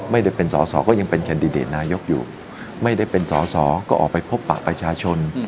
ไม่ได้เป็นสอสอก็ยังเป็นแคนดิเดตนายกอยู่ไม่ได้เป็นสอสอก็ออกไปพบปะประชาชน